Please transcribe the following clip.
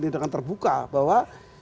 dengan terbuka bahwa